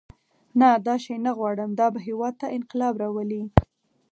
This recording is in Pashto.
نه دا شی نه غواړم دا به هېواد ته انقلاب راولي.